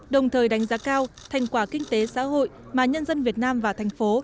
đồng thời đánh giá cao thành quả kinh tế xã hội mà nhân dân việt nam và thành phố